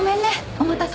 お待たせ。